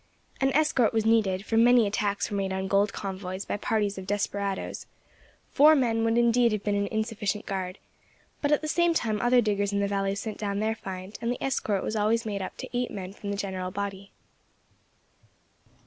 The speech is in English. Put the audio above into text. An escort was needed, for many attacks were made on gold convoys by parties of desperadoes; four men would indeed have been an insufficient guard, but at the same time other diggers in the valley sent down their find, and the escort was always made up to eight men from the general body.